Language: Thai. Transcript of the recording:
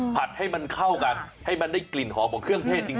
ให้มันเข้ากันให้มันได้กลิ่นหอมของเครื่องเทศจริง